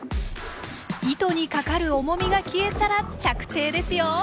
糸にかかる重みが消えたら着底ですよ！